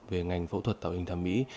về ngành phẫu thuật tạo hình thẩm mỹ